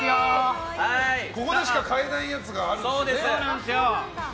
ここでしか買えないやつがあるんですよね。